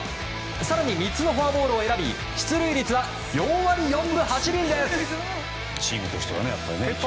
更に、３つのフォアボールを選び出塁率は４割４分８厘です。